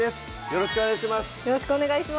よろしくお願いします